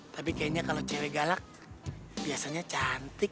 tapi kayaknya kalau cewek galak biasanya cantik